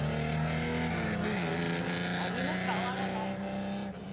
でも何も変わらない。